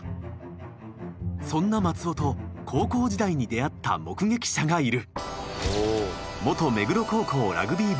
そんな松尾と高校時代に出会った目撃者がいる。